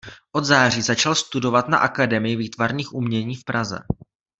Od září začal studovat na Akademii výtvarných umění v Praze.